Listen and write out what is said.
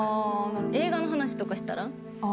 映画の話とかしたら？